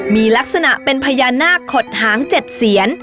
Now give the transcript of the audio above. มีลักษณะเป็นพญานาคขดหาง๗เสียน